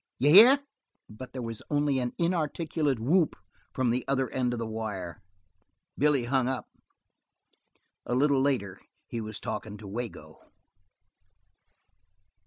D'ye hear?" But there was only an inarticulate whoop from the other end of the wire. Billy hung up. A little later he was talking to Wago.